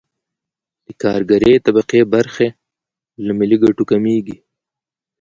د کارګرې طبقې برخه له ملي ګټو کمېږي